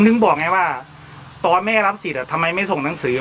หนึ่งบอกไงว่าตอนแม่รับสิทธิ์ทำไมไม่ส่งหนังสือ